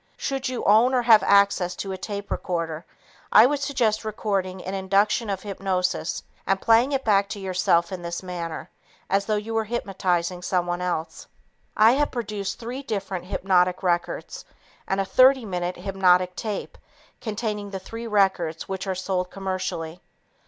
Should you own or have access to a tape recorder, I would suggest recording an induction of hypnosis and playing it back to yourself in this manner as though you were hypnotizing someone else. I have produced three different hypnotic records and a 30 minute hypnotic tape containing the three records which are sold commercially.